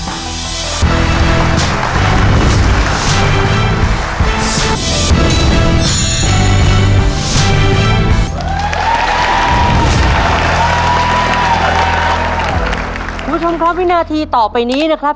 คุณผู้ชมครับวินาทีต่อไปนี้นะครับ